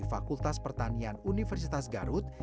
fakultas pertanian universitas garut